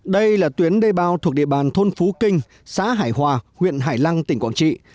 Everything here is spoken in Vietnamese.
đây là tuyến đê bao thuộc địa bàn thôn phú kinh xã hải hòa huyện hải lăng tỉnh quảng trị